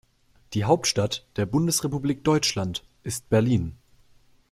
Die Hauptstadt der Bundesrepublik Deutschland ist Berlin